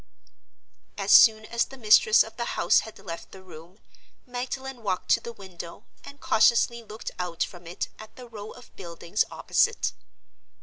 As soon as the mistress of the house had left the room, Magdalen walked to the window, and cautiously looked out from it at the row of buildings opposite.